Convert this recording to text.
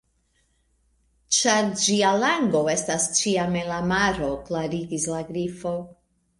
"Ĉar ĝia lango estas ĉiam en la maro," klarigis la Grifo.